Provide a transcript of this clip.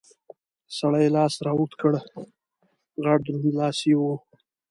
سړي لاس را اوږد کړ، غټ دروند لاس یې و.